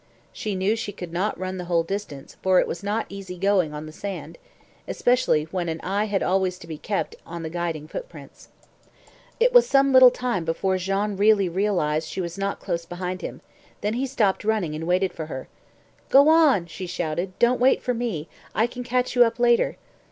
She knew she could not run the whole distance for it was not easy going on the sand, especially when an eye had always to be kept un the guiding footprints. [Illustration: "She glanced over her shoulder at the sea."] It was some little time before Jean really realised she was not close behind him; then he stopped running and waited for her. "Go on," she shouted. "Don't wait for me, I can catch you up later."